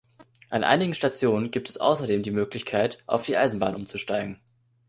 An einigen Stationen gibt es außerdem die Möglichkeit, auf die Eisenbahn umzusteigen.